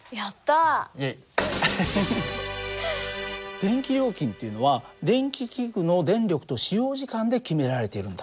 電気料金っていうのは電気器具の電力と使用時間で決められているんだ。